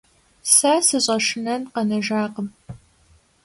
Сэ сыщӏэшынэн къэнэжакъым.